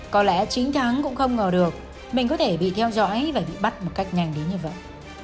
có lẽ chính tháng cũng không ngờ được mình có thể bị theo dõi và bị bắt một cách nhanh đến như vậy